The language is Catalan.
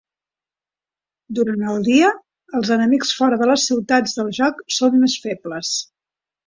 Durant el dia, els enemics fora de les ciutats del joc són més febles.